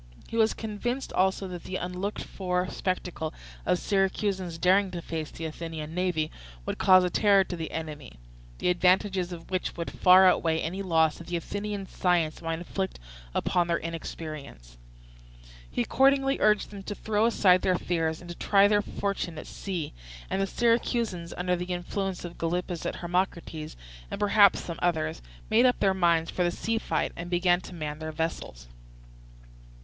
He was convinced also that the unlooked for spectacle of Syracusans daring to face the Athenian navy would cause a terror to the enemy, the advantages of which would far outweigh any loss that Athenian science might inflict upon their inexperience. He accordingly urged them to throw aside their fears and to try their fortune at sea; and the Syracusans, under the influence of Gylippus and Hermocrates, and perhaps some others, made up their minds for the sea fight and began to man their vessels.